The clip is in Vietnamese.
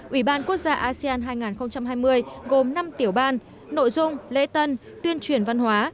ủy ban quốc gia asean hai nghìn hai mươi gồm năm tiểu ban nội dung lễ tân tuyên truyền văn hóa